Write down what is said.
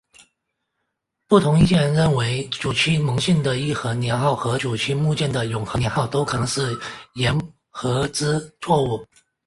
不同意见认为沮渠蒙逊的义和年号和沮渠牧犍的永和年号都可能是缘禾之错误。